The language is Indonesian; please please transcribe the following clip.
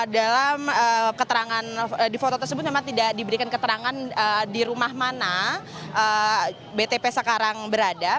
dalam keterangan di foto tersebut memang tidak diberikan keterangan di rumah mana btp sekarang berada